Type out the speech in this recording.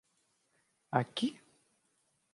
Aqui?